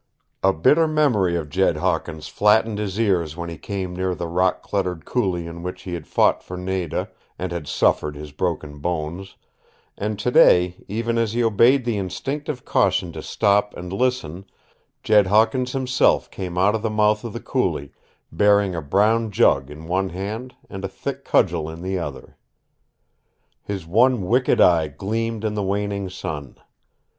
A bitter memory of Jed Hawkins flattened his ears when he came near the rock cluttered coulee in which he had fought for Nada, and had suffered his broken bones, and today even as he obeyed the instinctive caution to stop and listen Jed Hawkins himself came out of the mouth of the coulee, bearing a brown jug in one hand and a thick cudgel in the other. His one wicked eye gleamed in the waning sun.